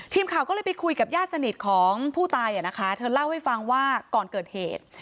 ทีมข่าวก็เลยไปคุยกับญาติสนิทของผู้ตายอ่ะนะคะเธอเล่าให้ฟังว่าก่อนเกิดเหตุ